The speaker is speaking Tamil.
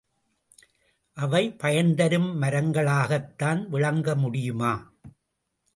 அவை பயன்தரும் மரங்களாகத்தான் விளங்க முடியுமா?